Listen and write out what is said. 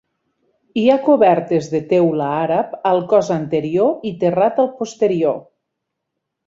Hi ha cobertes de teula àrab al cos anterior i terrat al posterior.